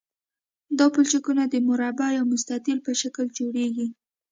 دا پلچکونه د مربع یا مستطیل په شکل جوړیږي